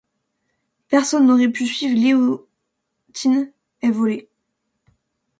Personne n’aurait pu suivre Léontine, elle volait.